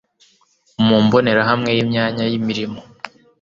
mu mbonerahamwe y imyanya y imirimo